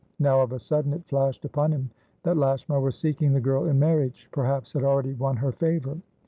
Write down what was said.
Now, of a sudden, it flashed upon him that Lashmar was seeking the girl in marriage, perhaps had already won her favour.